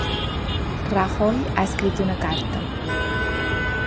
Rajoy ha escrit una carta